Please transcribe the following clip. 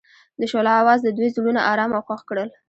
د شعله اواز د دوی زړونه ارامه او خوښ کړل.